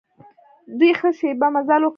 دوی ښه شېبه مزل وکړ.